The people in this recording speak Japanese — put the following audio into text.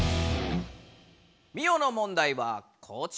ミオの問題はこちら。